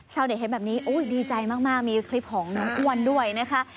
ชาวเน็ตเห็นแบบนี้ดีใจมากมีคลิปของน้องอ้วนด้วยนะคะ